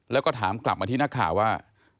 แล้วก็ถามกลับมาที่นักข่าวว่า